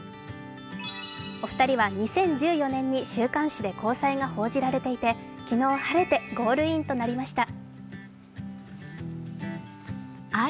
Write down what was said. お二人は２０１４年に週刊誌で交際が報じられていて昨日晴れてゴールインとなりました。